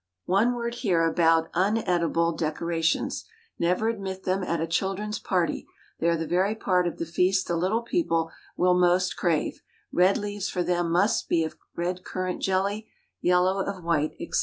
One word here about uneatable decorations, never admit them at a children's party; they are the very part of the feast the little people will most crave; red leaves for them must be of red currant jelly, yellow of white, etc.